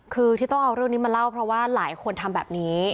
คือที่ต้องเอาเรื่องนี้มาเล่าเพราะว่าหลายคนทำแบบนี้